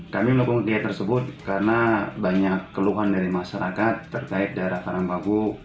kami melakukan kelihatan tersebut karena banyak keluhan dari masyarakat terkait daerah karangbagu